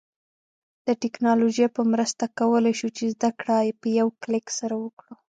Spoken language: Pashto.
د ټیکنالوژی په مرسته کولای شو چې زده کړه په یوه کلیک سره وکړو